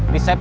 di saeb ya